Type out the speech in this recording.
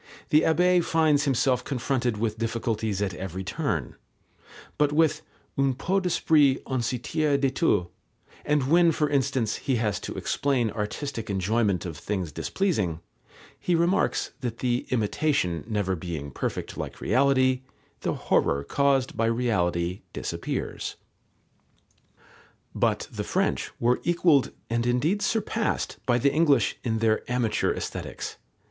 The Abbé finds himself confronted with difficulties at every turn, but with "un peu d'esprit on se tire de tout," and when for instance he has to explain artistic enjoyment of things displeasing, he remarks that the imitation never being perfect like reality, the horror caused by reality disappears. But the French were equalled and indeed surpassed by the English in their amateur Aesthetics.